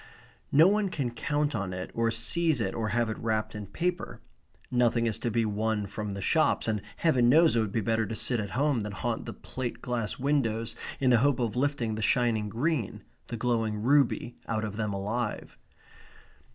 No one can count on it or seize it or have it wrapped in paper. Nothing is to be won from the shops, and Heaven knows it would be better to sit at home than haunt the plate glass windows in the hope of lifting the shining green, the glowing ruby, out of them alive.